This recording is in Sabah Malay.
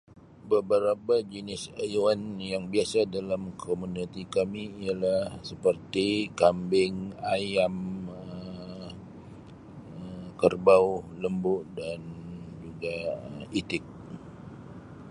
Beberapa jenis haiwan yang biasa dalam komuniti kami ialah seperti kambing, ayam, Um kerbau , lembu dan juga itik.